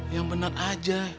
yang benar aja